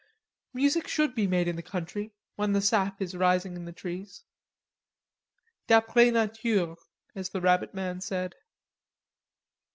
"Music should be made in the country, when the sap is rising in the trees." "'D'apres nature,' as the rabbit man said."